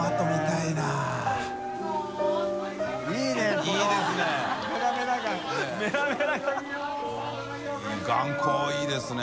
いぁ禪いいですね。